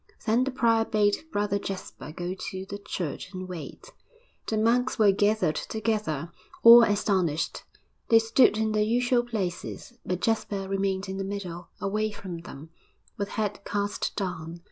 Then the prior bade Brother Jasper go to the church and wait. The monks were gathered together, all astonished. They stood in their usual places, but Jasper remained in the middle, away from them, with head cast down.